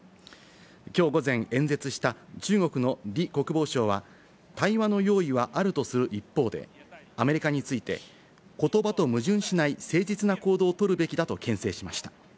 きょう午前、演説した中国のリ国防相は対話の用意はあるとする一方で、アメリカについて言葉と矛盾しない誠実な行動をとるべきだと、けん制しました。